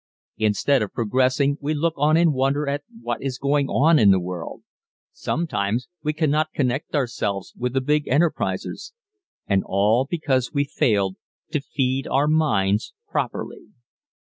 Instead of progressing we look on in wonder at what is going on in the world. Somehow we cannot connect ourselves with the big enterprises. And all because we failed to feed our minds properly.